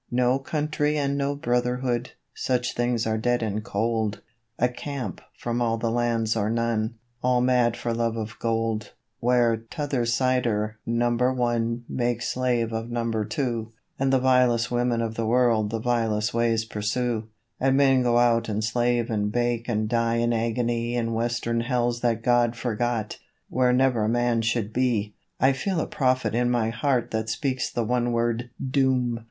No Country and no Brotherhood such things are dead and cold; A camp from all the lands or none, all mad for love of gold; Where T'othersider number one makes slave of number two, And the vilest women of the world the vilest ways pursue; And men go out and slave and bake and die in agony In western hells that God forgot, where never man should be. I feel a prophet in my heart that speaks the one word 'Doom!